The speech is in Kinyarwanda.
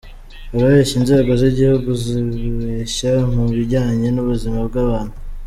Urabeshya inzego z’igihugu, uzibeshya mu bijyanye n’ubuzima bw’abantu?”.